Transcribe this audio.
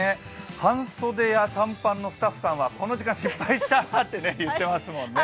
半袖や短パンのスタッフさんはこの時間は失敗したっておっしゃってますもんね。